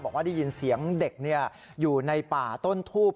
บอกว่าได้ยินเสียงเด็กอยู่ในป่าต้นทูบ